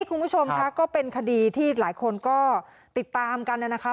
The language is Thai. คุณผู้ชมค่ะก็เป็นคดีที่หลายคนก็ติดตามกันนะคะ